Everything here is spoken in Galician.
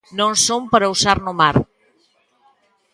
Non son para usar no mar.